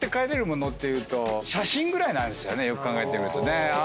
よく考えてみるとね。